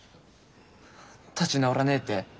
立ち直らねえって？